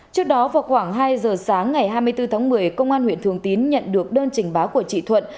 trước đó vào khoảng hai giờ sáng ngày hai mươi bốn tháng một mươi công an huyện thường tín nhận được đơn trình báo của chị thuận